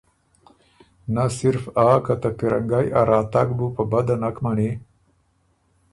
که نۀ صرف آ که ته پیرنګئ ا راتګ بُو په بده نک مَنی